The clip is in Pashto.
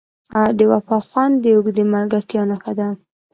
د وفا خوند د اوږدې ملګرتیا نښه ده.